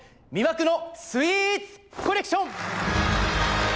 魅惑の『スイーツコレクション』！